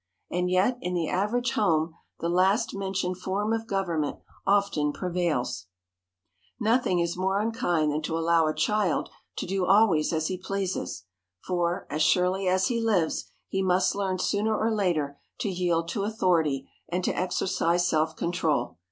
And yet, in the average home, the last mentioned form of government often prevails. [Sidenote: FIRMNESS IN CONTROL] Nothing is more unkind than to allow a child to do always as he pleases, for, as surely as he lives, he must learn sooner or later to yield to authority and to exercise self control.